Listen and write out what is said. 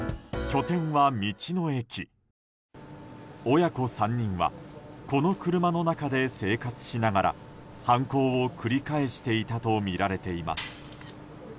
親子３人はこの車の中で生活しながら犯行を繰り返していたとみられています。